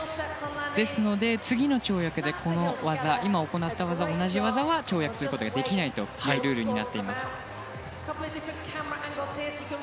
ですので、次の跳躍で今行ったのと同じ技は跳躍することができないルールになっています。